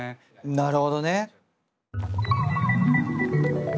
なるほどね。